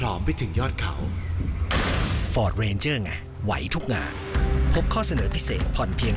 ลงไม่ลงไม่ลงไม่ลงแพงไปเสียเย็นแรง